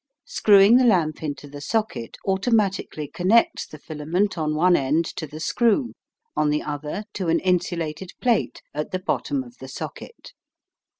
Screwing the lamp into the socket automatically connects the filament on one end to the screw, on the other to an insulated plate at the bottom of the socket.